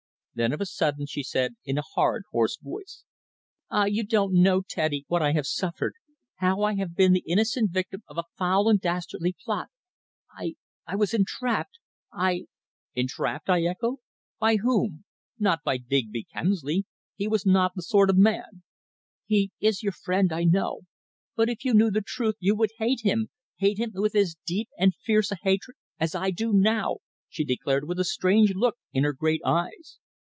Then of a sudden, she said in a hard, hoarse voice: "Ah! you don't know, Teddy, what I have suffered how I have been the innocent victim of a foul and dastardly plot. I I was entrapped I " "Entrapped!" I echoed. "By whom? Not by Digby Kemsley? He was not the sort of man." "He is your friend, I know. But if you knew the truth you would hate him hate him, with as deep and fierce a hatred as I do now," she declared, with a strange look in her great eyes.